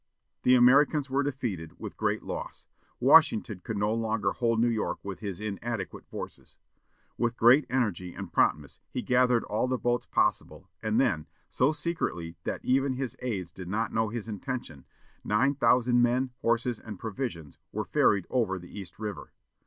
The Americans were defeated, with great loss. Washington could no longer hold New York with his inadequate forces. With great energy and promptness he gathered all the boats possible, and then, so secretly that even his aides did not know his intention, nine thousand men, horses, and provisions, were ferried over the East River.